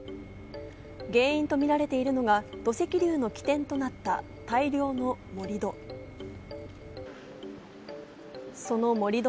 原因とみられているのが、土石流の起点となった大量の盛り土。